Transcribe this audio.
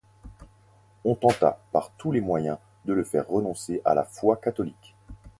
On tenta par tous les moyens de le faire renoncer à la foi catholique.